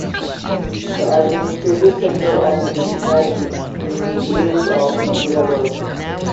The administrative centre of the municipality is the village of Judaberg.